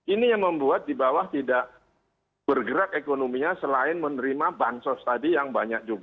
ini yang membuat di bawah tidak bergerak ekonominya selain menerima bansos tadi yang banyak juga